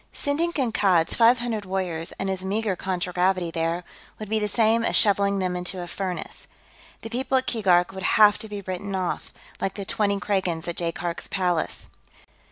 Sending Kankad's five hundred warriors and his meager contragravity there would be the same as shoveling them into a furnace. The people at Keegark would have to be written off, like the twenty Kragans at Jaikark's palace.